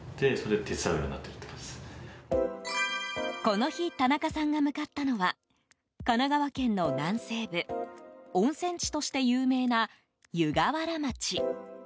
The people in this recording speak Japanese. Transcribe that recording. この日田中さんが向かったのは神奈川県の南西部温泉地として有名な湯河原町。